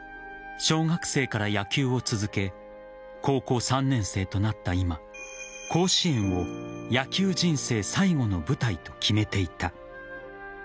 小学生から野球を続け高校３年生となった今甲子園を野球人生最後の舞台と決めていた。